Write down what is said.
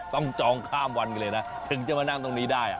จองข้ามวันไปเลยนะถึงจะมานั่งตรงนี้ได้